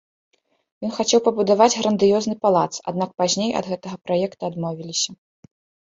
Ён хацеў пабудаваць грандыёзны палац, аднак пазней ад гэтага праекта адмовіліся.